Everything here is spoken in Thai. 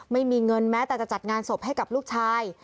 ไม่มีเงินแม้แต่จะจัดงานศพให้กับลูกชาย